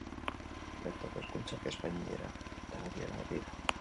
Bertako hizkuntzak espainiera eta arabiera dira.